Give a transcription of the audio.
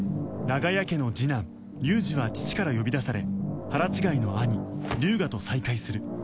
長屋家の次男龍二は父から呼び出され腹違いの兄龍河と再会する